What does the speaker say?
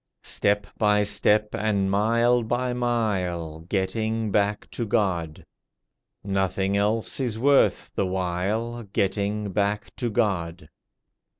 Step by step and mile by mile— Getting back to God; Nothing else is worth the while— Getting back to God.